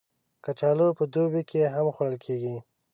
کچالو په دوبی کې هم خوړل کېږي